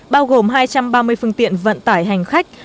bao gồm hai trăm ba mươi phương tiện vận tải hành khách